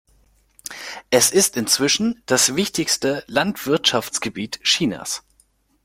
Es ist inzwischen das wichtigste Landwirtschaftsgebiet Chinas.